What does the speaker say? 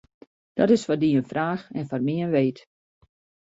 Dat is foar dy in fraach en foar my in weet.